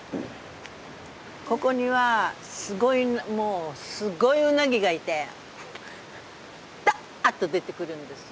ここにはすごいもうすごいウナギがいてダーッと出てくるんですよ。